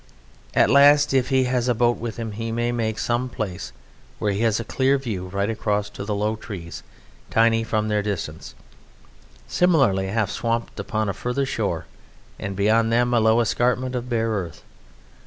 At last, if he has a boat with him, he may make some place where he has a clear view right across to low trees, tiny from their distance, similarly half swamped upon a further shore, and behind them a low escarpment of bare earth.